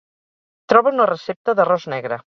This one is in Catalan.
Troba una recepta d'arròs negre.